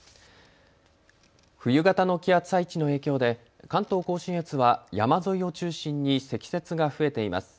冬型の気圧配置の影響で関東甲信越は山沿いを中心に積雪が増えています。